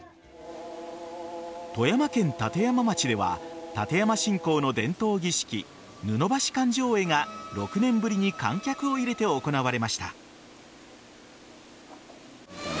富山県立山町では立山信仰の伝統儀式布橋灌頂会が６年ぶりに観客を入れて行われました。